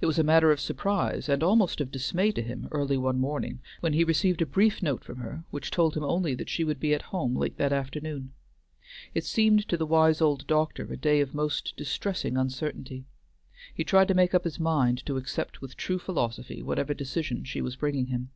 It was a matter of surprise, and almost of dismay to him early one morning, when he received a brief note from her which told him only that she should be at home late that afternoon. It seemed to the wise old doctor a day of most distressing uncertainty. He tried to make up his mind to accept with true philosophy whatever decision she was bringing him.